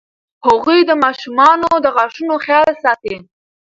هغوی د ماشومانو د غاښونو خیال ساتي.